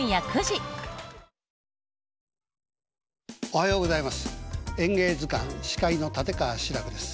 おはようございます。